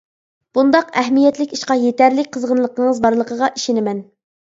بۇنداق ئەھمىيەتلىك ئىشقا يېتەرلىك قىزغىنلىقىڭىز بارلىقىغا ئىشىنىمەن.